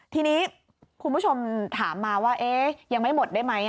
ทีนี้คุณผู้ชมถามมาว่ายังไม่หมดได้ไหม